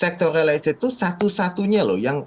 sektor real estate itu satu satunya loh